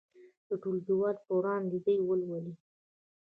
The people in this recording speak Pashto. د ټولګیوالو په وړاندې دې ولولي.